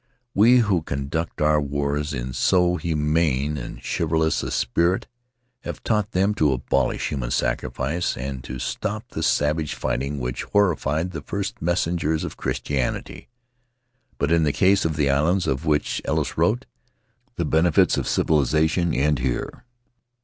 We who con duct our wars in so humane and chivalrous a spirit have taught them to abolish human sacrifice and to stop the savage fighting which horrified the first messengers of At the House of Tari Christianity, but, in the case of the islands of which Ellis wrote, the benefits of civilization end here.